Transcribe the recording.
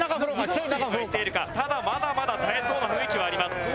ただまだまだ耐えそうな雰囲気はあります。